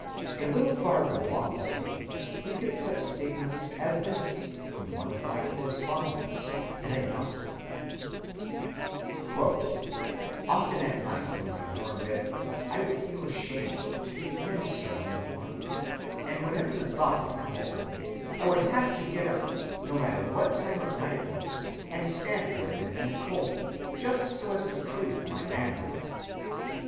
A little farther along the scale we get such statements as this, from one of my correspondents, an agnostic:— "Often at night in my warm bed I would feel ashamed to depend so on the warmth, and whenever the thought would come over me I would have to get up, no matter what time of night it was, and stand for a minute in the cold, just so as to prove my manhood."